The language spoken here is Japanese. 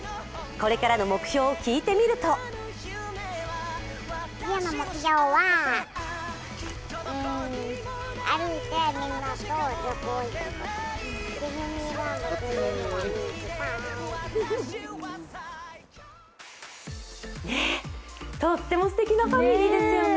これからの目標を聞いてみるととってもすてきなファミリーですよね。